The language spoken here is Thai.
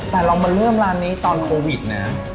แต่เรามาเริ่มร้านนี้ตอนโควิดนะ